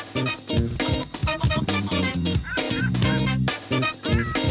สวัสดีครับ